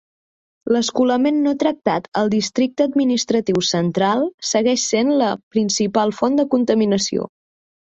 L'escolament no tractat al Districte Administratiu Central segueix sent la principal font de contaminació.